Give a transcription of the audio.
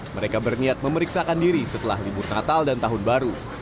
mereka berniat memeriksakan diri setelah libur natal dan tahun baru